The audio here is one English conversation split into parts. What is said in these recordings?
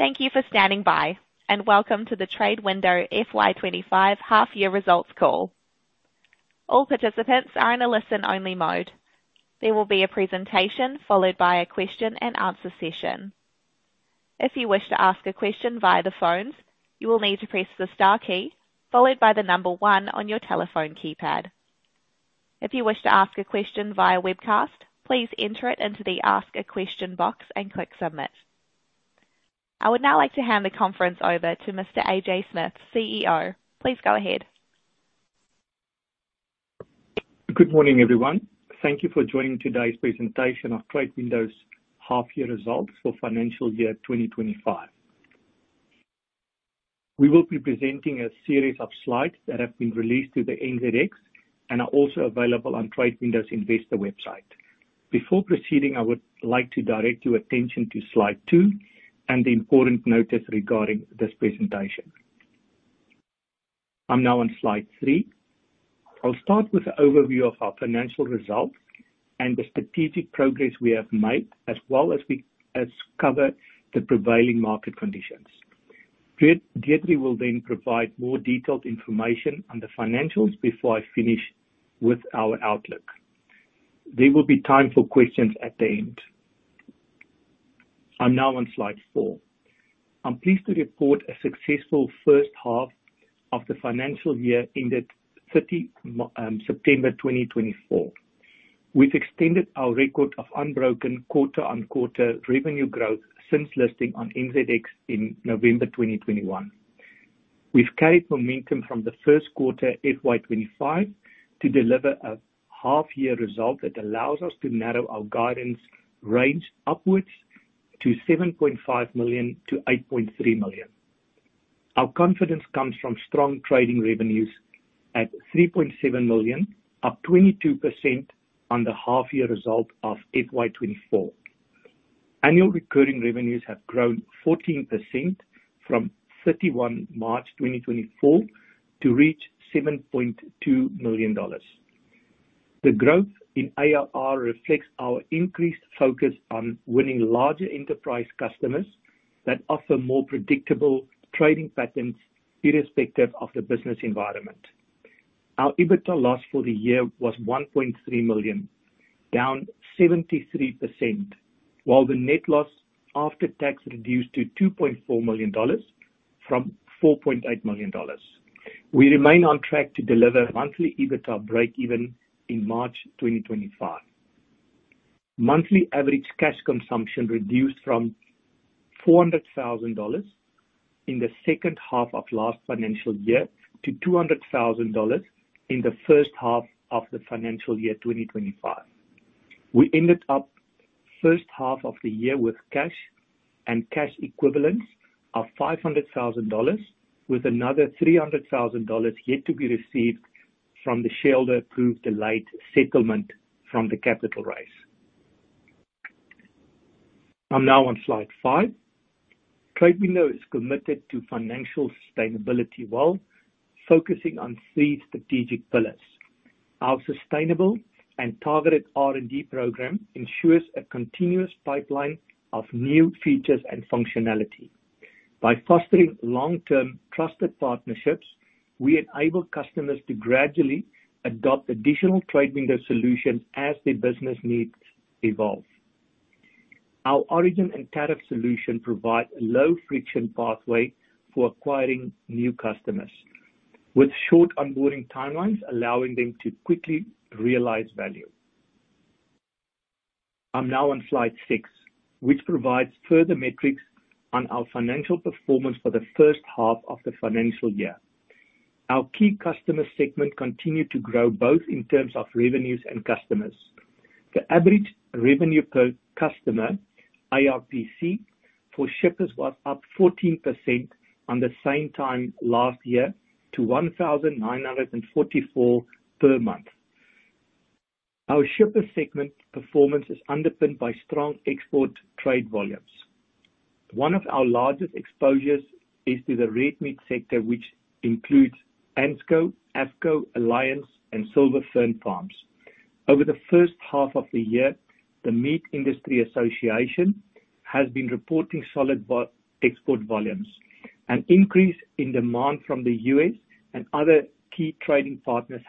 Thank you for standing by, and Welcome to the TradeWindow FY25 half-year results call. All participants are in a listen-only mode. There will be a presentation followed by a question-and-answer session. If you wish to ask a question via the phones, you will need to press the star key followed by the number one on your telephone keypad. If you wish to ask a question via webcast, please enter it into the Ask a Question box and click Submit. I would now like to hand the conference over to Mr. AJ Smith, CEO. Please go ahead. Good morning, everyone. Thank you for joining today's presentation of TradeWindow's half-year results for financial year 2025. We will be presenting a series of slides that have been released to the NZX and are also available on TradeWindow's Investor website. Before proceeding, I would like to direct your attention to slide two and the important notice regarding this presentation. I'm now on slide three. I'll start with an overview of our financial results and the strategic progress we have made, as well as we cover the prevailing market conditions. Deidre will then provide more detailed information on the financials before I finish with our outlook. There will be time for questions at the end. I'm now on slide four. I'm pleased to report a successful first half of the financial year ended 30 September 2024. We've extended our record of unbroken quarter-on-quarter revenue growth since listing on NZX in November 2021. We've carried momentum from the first quarter FY25 to deliver a half-year result that allows us to narrow our guidance range upwards to 7.5 million-8.3 million. Our confidence comes from strong trading revenues at 3.7 million, up 22% on the half-year result of FY24. Annual recurring revenues have grown 14% from 31 March 2024 to reach 7.2 million dollars. The growth in ARR reflects our increased focus on winning larger enterprise customers that offer more predictable trading patterns irrespective of the business environment. Our EBITDA loss for the year was 1.3 million, down 73%, while the net loss after tax reduced to 2.4 million dollars from 4.8 million dollars. We remain on track to deliver monthly EBITDA break-even in March 2025. Monthly average cash consumption reduced from 400,000 dollars in the second half of last financial year to 200,000 dollars in the first half of the financial year 2025. We ended the first half of the year with cash and cash equivalents of 500,000 dollars, with another 300,000 dollars yet to be received from the shareholder-approved delayed settlement from the capital raise. I'm now on slide five. TradeWindow is committed to financial sustainability while focusing on three strategic pillars. Our sustainable and targeted R&D program ensures a continuous pipeline of new features and functionality. By fostering long-term trusted partnerships, we enable customers to gradually adopt additional TradeWindow solutions as their business needs evolve. Our Origin and Tariff solution provides a low-friction pathway for acquiring new customers, with short onboarding timelines allowing them to quickly realize value. I'm now on slide six, which provides further metrics on our financial performance for the first half of the financial year. Our key customer segment continued to grow both in terms of revenues and customers. The average revenue per customer, ARPC, for shippers was up 14% on the same time last year to 1,944 per month. Our shipper segment performance is underpinned by strong export trade volumes. One of our largest exposures is to the red meat sector, which includes ANZCO Foods, AFFCO, Alliance Group, and Silver Fern Farms. Over the first half of the year, the Meat Industry Association has been reporting solid export volumes. An increase in demand from the U.S. and other key trading partners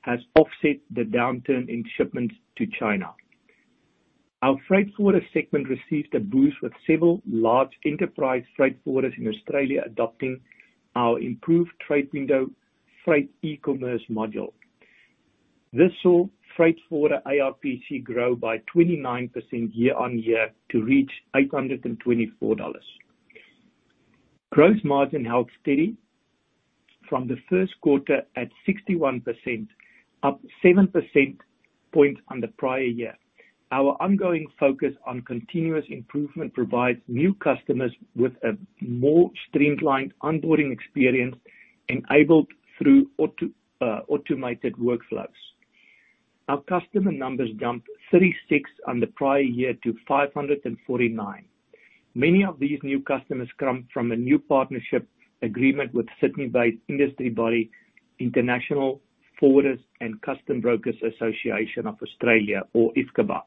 has offset the downturn in shipments to China. Our freight forwarder segment received a boost with several large enterprise freight forwarders in Australia adopting our improved TradeWindow Freight e-commerce module. This saw freight forwarder ARPC grow by 29% year-on-year to reach NZD 824. Gross margin held steady from the first quarter at 61%, up 7 percentage points on the prior year. Our ongoing focus on continuous improvement provides new customers with a more streamlined onboarding experience enabled through automated workflows. Our customer numbers jumped 36 on the prior year to 549. Many of these new customers come from a new partnership agreement with Sydney-based industry body International Forwarders and Customs Brokers Association of Australia, or IFCBAA.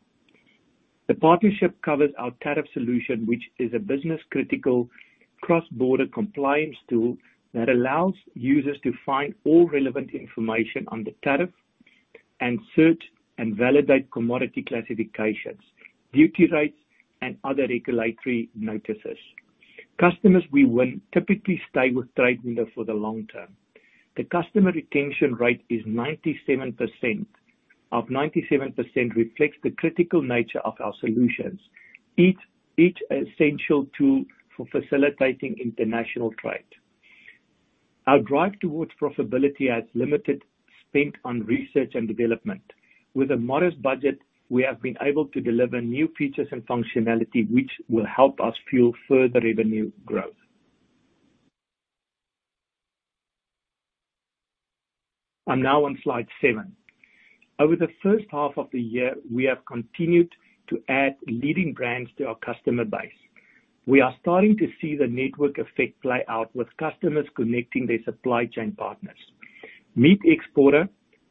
The partnership covers our Tariff solution, which is a business-critical cross-border compliance tool that allows users to find all relevant information on the tariff and search and validate commodity classifications, duty rates, and other regulatory notices. Customers we win typically stay with TradeWindow for the long term. The customer retention rate is 97%. Our 97% reflects the critical nature of our solutions, each essential tool for facilitating international trade. Our drive towards profitability has limited spend on research and development. With a modest budget, we have been able to deliver new features and functionality which will help us fuel further revenue growth. I'm now on slide seven. Over the first half of the year, we have continued to add leading brands to our customer base. We are starting to see the network effect play out with customers connecting their supply chain partners.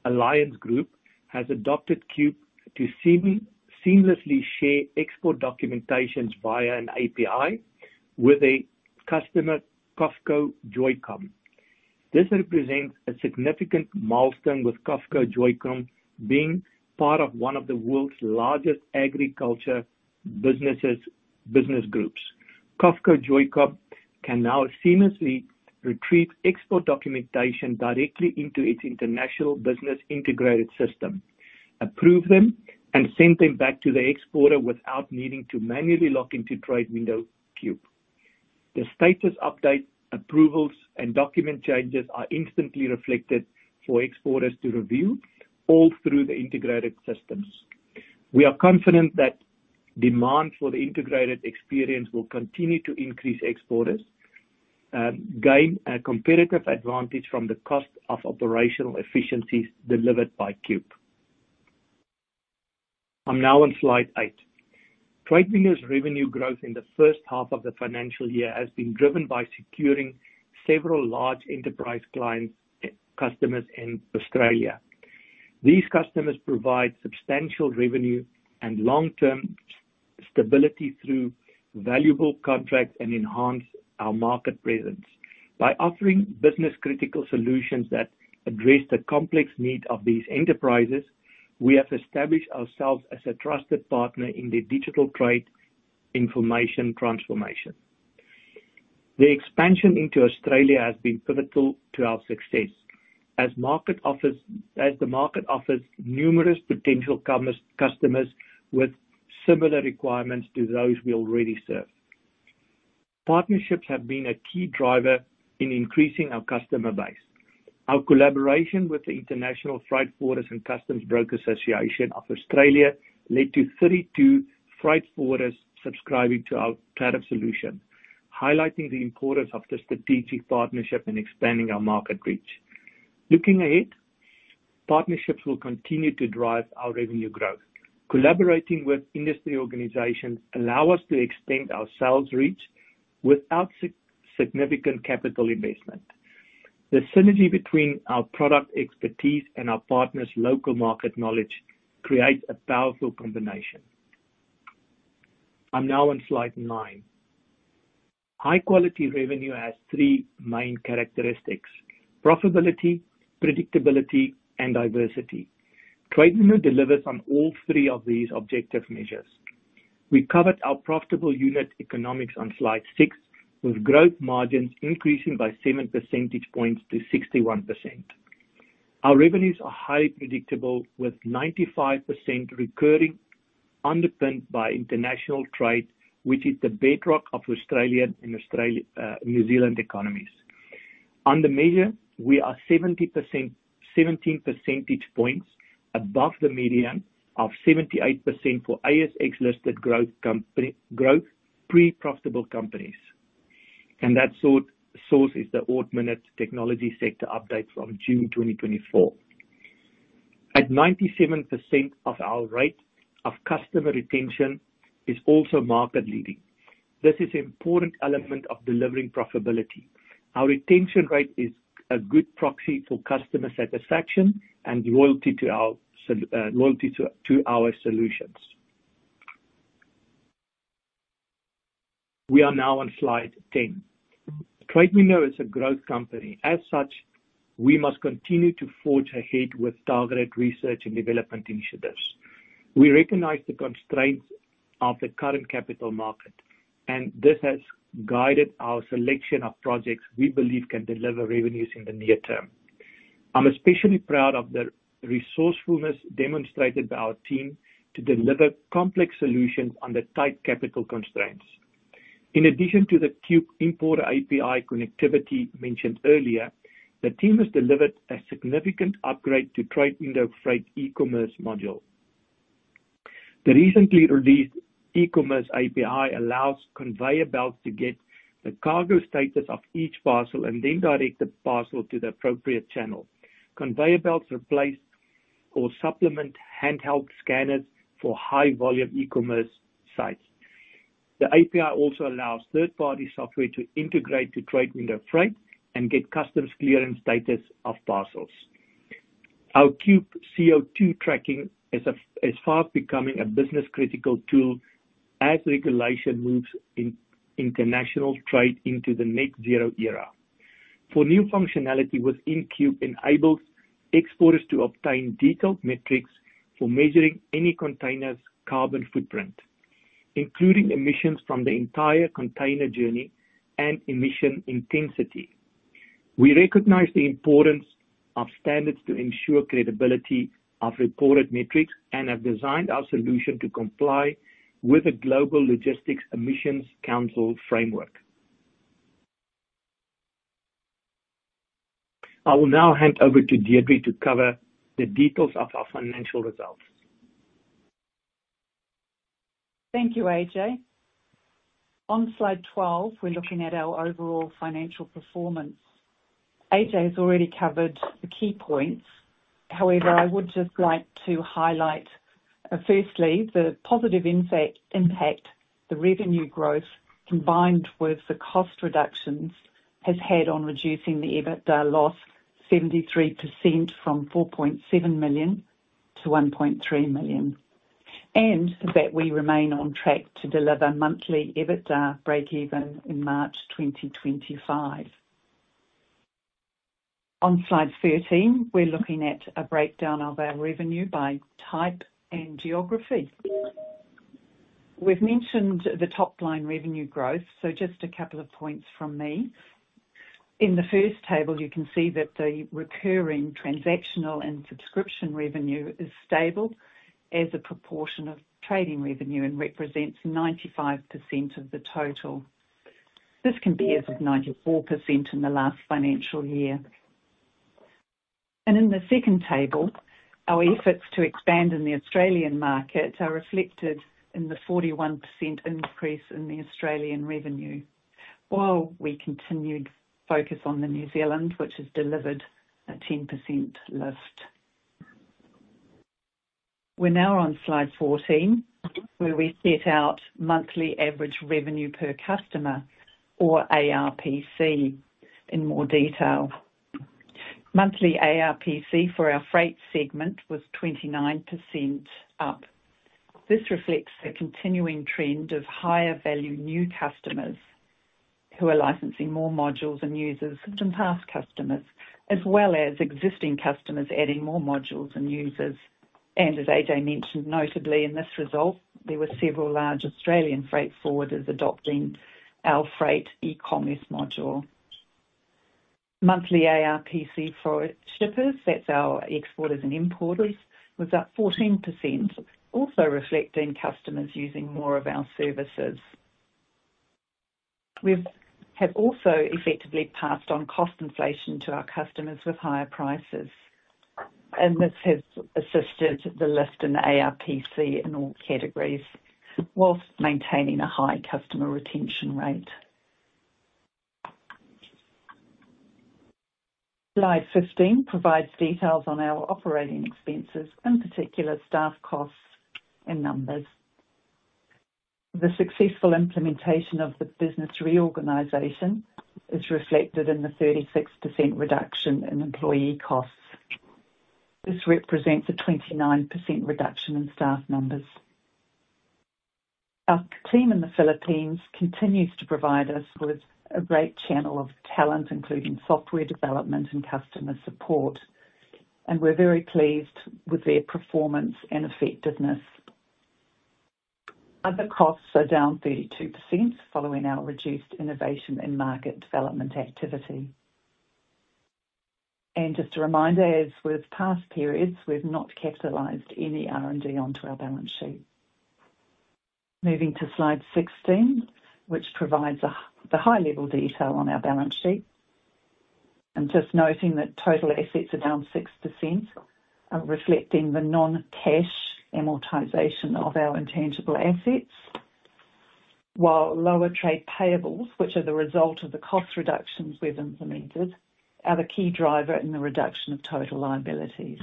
Alliance Group has adopted Cube to seamlessly share export documentation via an API with a customer, COFCO Joycome. This represents a significant milestone with COFCO Joycome being part of one of the world's largest agricultural business groups. COFCO Joycome can now seamlessly retrieve export documentation directly into its International Business Integrated System, approve them, and send them back to the exporter without needing to manually log into TradeWindow Cube. The status updates, approvals, and document changes are instantly reflected for exporters to review all through the integrated systems. We are confident that demand for the integrated experience will continue to increase exporters and gain a competitive advantage from the cost of operational efficiencies delivered by Cube. I'm now on slide eight. TradeWindow's revenue growth in the first half of the financial year has been driven by securing several large enterprise clients, customers in Australia. These customers provide substantial revenue and long-term stability through valuable contracts and enhance our market presence. By offering business-critical solutions that address the complex needs of these enterprises, we have established ourselves as a trusted partner in the digital trade information transformation. The expansion into Australia has been pivotal to our success as the market offers numerous potential customers with similar requirements to those we already serve. Partnerships have been a key driver in increasing our customer base. Our collaboration with the International Forwarders and Customs Brokers Association of Australia led to 32 freight forwarders subscribing to our Tariff solution, highlighting the importance of the strategic partnership and expanding our market reach. Looking ahead, partnerships will continue to drive our revenue growth. Collaborating with industry organizations allows us to extend our sales reach without significant capital investment. The synergy between our product expertise and our partners' local market knowledge creates a powerful combination. I'm now on slide nine. High-quality revenue has three main characteristics: profitability, predictability, and diversity. TradeWindow delivers on all three of these objective measures. We covered our profitable unit economics on slide six, with gross margins increasing by 7 percentage points to 61%. Our revenues are highly predictable, with 95% recurring underpinned by international trade, which is the bedrock of Australian and New Zealand economies. On the measure, we are 17 percentage points above the median of 78% for ASX-listed growth pre-profitable companies, and that source is the Ord Minnett Technology Sector Update from June 2024. At 97% of our rate, our customer retention is also market-leading. This is an important element of delivering profitability. Our retention rate is a good proxy for customer satisfaction and loyalty to our solutions. We are now on slide ten. TradeWindow is a growth company. As such, we must continue to forge ahead with targeted research and development initiatives. We recognize the constraints of the current capital market, and this has guided our selection of projects we believe can deliver revenues in the near term. I'm especially proud of the resourcefulness demonstrated by our team to deliver complex solutions under tight capital constraints. In addition to the Cube importer API connectivity mentioned earlier, the team has delivered a significant upgrade to TradeWindow Freight e-commerce module. The recently released e-commerce API allows conveyor belts to get the cargo status of each parcel and then direct the parcel to the appropriate channel. Conveyor belts replace or supplement handheld scanners for high-volume e-commerce sites. The API also allows third-party software to integrate to TradeWindow Freight and get customs clearance status of parcels. Our Cube CO2 tracking is fast becoming a business-critical tool as regulation moves international trade into the net-zero era. For new functionality within Cube, it enables exporters to obtain detailed metrics for measuring any container's carbon footprint, including emissions from the entire container journey and emission intensity. We recognize the importance of standards to ensure credibility of reported metrics and have designed our solution to comply with the Global Logistics Emissions Council Framework. I will now hand over to Deidre to cover the details of our financial results. Thank you, AJ. On slide 12, we're looking at our overall financial performance. AJ has already covered the key points. However, I would just like to highlight, firstly, the positive impact the revenue growth combined with the cost reductions has had on reducing the EBITDA loss 73% from 4.7 million to 1.3 million, and that we remain on track to deliver monthly EBITDA break-even in March 2025. On slide 13, we're looking at a breakdown of our revenue by type and geography. We've mentioned the top-line revenue growth, so just a couple of points from me. In the first table, you can see that the recurring transactional and subscription revenue is stable as a proportion of trading revenue and represents 95% of the total. This compares with 94% in the last financial year, and in the second table, our efforts to expand in the Australian market are reflected in the 41% increase in the Australian revenue, while we continue to focus on the New Zealand, which has delivered a 10% lift. We're now on slide 14, where we set out monthly average revenue per customer, or ARPC, in more detail. Monthly ARPC for our freight segment was 29% up. This reflects the continuing trend of higher-value new customers who are licensing more modules and users. Past customers, as well as existing customers adding more modules and users. As AJ mentioned, notably in this result, there were several large Australian freight forwarders adopting our Freight e-commerce module. Monthly ARPC for shippers, that's our exporters and importers, was up 14%, also reflecting customers using more of our services. We have also effectively passed on cost inflation to our customers with higher prices, and this has assisted the lift in the ARPC in all categories while maintaining a high customer retention rate. Slide 15 provides details on our operating expenses, in particular staff costs and numbers. The successful implementation of the business reorganization is reflected in the 36% reduction in employee costs. This represents a 29% reduction in staff numbers. Our team in the Philippines continues to provide us with a great channel of talent, including software development and customer support, and we're very pleased with their performance and effectiveness. Other costs are down 32% following our reduced innovation and market development activity. And just a reminder, as with past periods, we've not capitalized any R&D onto our balance sheet. Moving to slide 16, which provides the high-level detail on our balance sheet, and just noting that total assets are down 6%, reflecting the non-cash amortization of our intangible assets, while lower trade payables, which are the result of the cost reductions we've implemented, are the key driver in the reduction of total liabilities.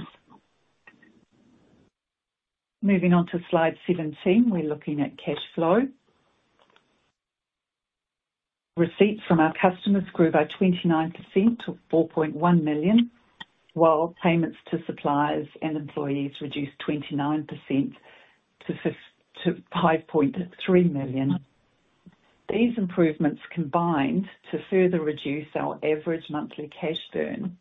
Moving on to slide 17, we're looking at cash flow. Receipts from our customers grew by 29% to 4.1 million, while payments to suppliers and employees reduced 29% to 5.3 million. These improvements combined to further reduce our average monthly cash burn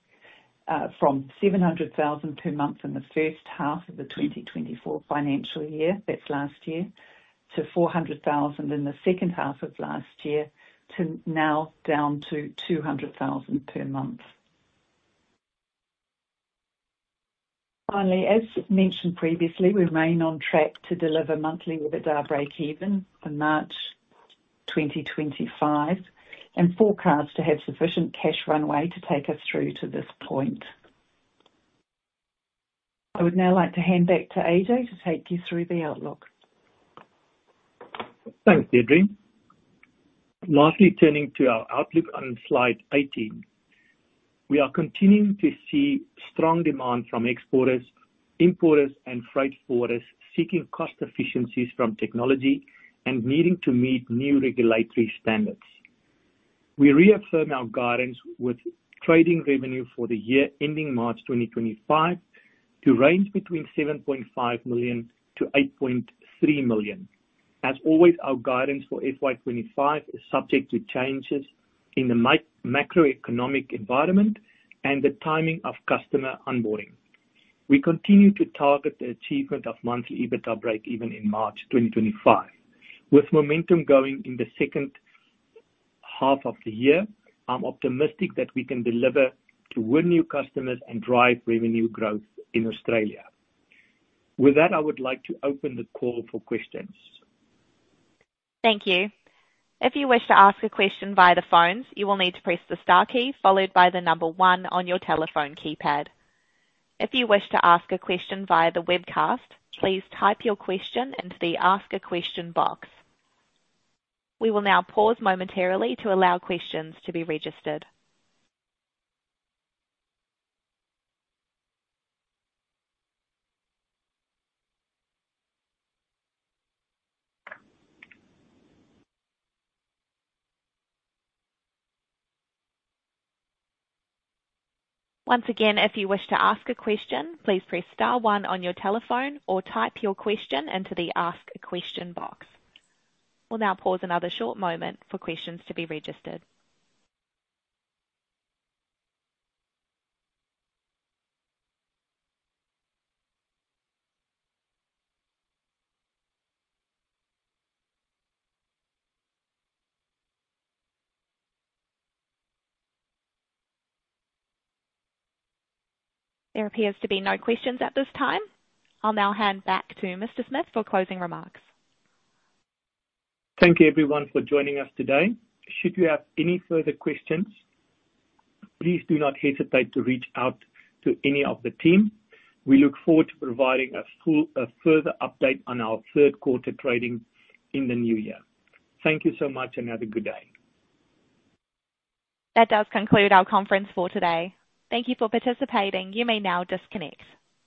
from 700,000 per month in the first half of the 2024 financial year, that's last year, to 400,000 in the second half of last year, to now down to 200,000 per month. Finally, as mentioned previously, we remain on track to deliver monthly EBITDA break-even for March 2025 and forecast to have sufficient cash runway to take us through to this point. I would now like to hand back to AJ to take you through the outlook. Thanks, Deirdre. Lastly, turning to our outlook on slide 18, we are continuing to see strong demand from exporters, importers, and freight forwarders seeking cost efficiencies from technology and needing to meet new regulatory standards. We reaffirm our guidance with trading revenue for the year ending March 2025 to range between 7.5 million-8.3 million. As always, our guidance for FY25 is subject to changes in the macroeconomic environment and the timing of customer onboarding. We continue to target the achievement of monthly EBITDA break-even in March 2025. With momentum going in the second half of the year, I'm optimistic that we can deliver to win new customers and drive revenue growth in Australia. With that, I would like to open the call for questions. Thank you. If you wish to ask a question via the phones, you will need to press the star key followed by the number one on your telephone keypad. If you wish to ask a question via the webcast, please type your question into the Ask a Question box. We will now pause momentarily to allow questions to be registered. Once again, if you wish to ask a question, please press star one on your telephone or type your question into the Ask a Question box. We'll now pause another short moment for questions to be registered. There appears to be no questions at this time. I'll now hand back to Mr. Smith for closing remarks. Thank you, everyone, for joining us today. Should you have any further questions, please do not hesitate to reach out to any of the team. We look forward to providing a further update on our third-quarter trading in the new year. Thank you so much, and have a good day. That does conclude our conference for today. Thank you for participating. You may now disconnect.